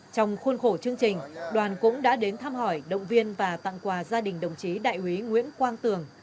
trong khuôn khổ chương trình đoàn cũng đã đến thăm hỏi động viên và tặng quà gia đình đồng chí đại úy nguyễn quang tường